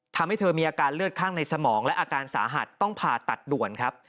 ทำให้เธอมีอาการเลือดข้างในสมองและอาการสาหัสต้องผ่าตัดด่วนครับ